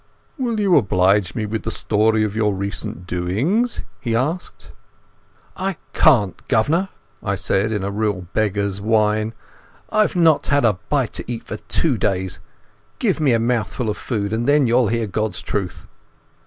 "Will you oblige me with the story of your recent doings?" he asked. "I can't, guv'nor," I said in a real beggar's whine. "I've not had a bite to eat for two days. Give me a mouthful of food, and then you'll hear God's truth."